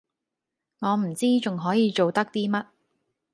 我唔知仲可以做得啲乜